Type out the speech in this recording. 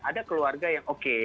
ada keluarga yang oke